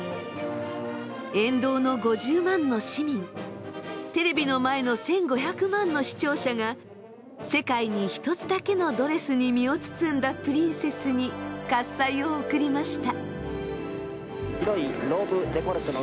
沿道の５０万の市民テレビの前の１，５００万の視聴者が世界に一つだけのドレスに身を包んだプリンセスに喝采を送りました。